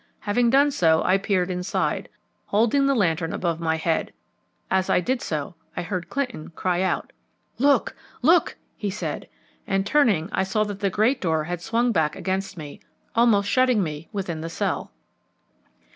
Having done so I peered inside, holding the lantern above my head. As I did so I heard Clinton cry out, "Look, look," he said, and turning I saw that the great door had swung back against me, almost shutting me within the cell.